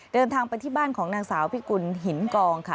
เดินทางไปที่บ้านของนางสาวพิกุลหินกองค่ะ